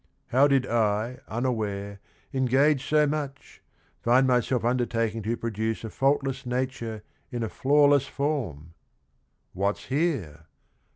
How did I unaware engage so much — Find myself undertaking to produce A faultless nature in a flawless form? What 's here?